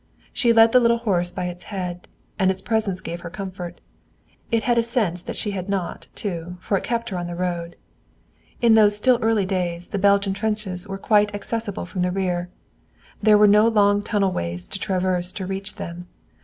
She led the little horse by its head, and its presence gave her comfort. It had a sense that she had not, too, for it kept her on the road. In those still early days the Belgian trenches were quite accessible from the rear. There were no long tunneled ways to traverse to reach them.